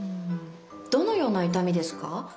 どのような痛みですか？